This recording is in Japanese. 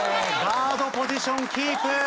ガードポジションキープ。